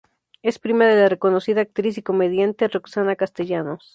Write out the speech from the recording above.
Es prima de la reconocida actriz y comediante Roxana Castellanos.